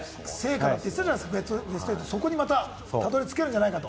そこにまたたどり着けるんじゃないかと。